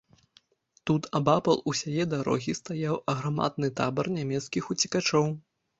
Тут, абапал усяе дарогі, стаяў аграмадны табар нямецкіх уцекачоў.